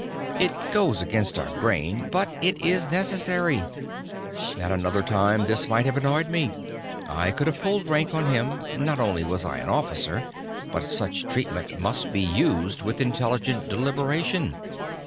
It goes against our grain, but it is necessary. At another time this might have annoyed me. I could have pulled rank on him. Not only was I an officer, but such treatment must be used with intellectual deliberation.